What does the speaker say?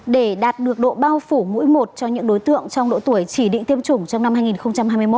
để đạt được độ bao phủ mỗi một cho những đối tượng trong độ tuổi chỉ định tiêm chủng trong năm hai nghìn hai mươi một